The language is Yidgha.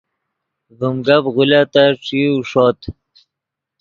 ڤیم گپ غولیتت ݯیو ݰوت